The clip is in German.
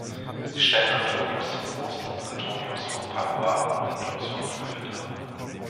Sie stellen Antonius den Grossen, Antonius von Padua und Niklaus von Flüe dar.